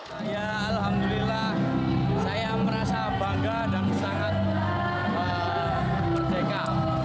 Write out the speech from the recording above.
saya alhamdulillah saya merasa bangga dan sangat merdeka